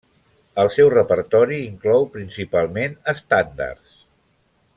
El seu repertori inclou principalment estàndards.